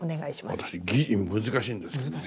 私「ぎ」難しいんですけどね。